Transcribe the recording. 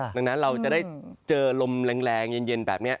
ดังนั้นเราจะได้เจอลมแรงเย็นแบบนี้